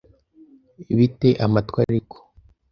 Bi te amatwi ariko